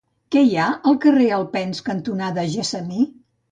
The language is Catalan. Què hi ha al carrer Alpens cantonada Gessamí?